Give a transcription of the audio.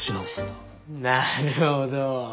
なるほど。